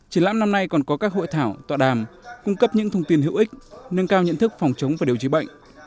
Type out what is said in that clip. triển lãm năm nay còn có các hội thảo tọa đàm cung cấp những thông tin hữu ích nâng cao nhận thức phòng chống và điều trị bệnh